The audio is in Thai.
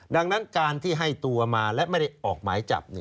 ดังนั้นการที่ให้ตัวมาและไม่ได้ออกหมายจับ